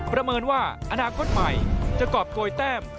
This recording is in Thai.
ประเมินว่าอนาคตใหม่จะกรอบโกยแต้ม